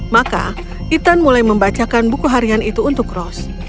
maka ethan mulai membacakan buku harian itu untuk rose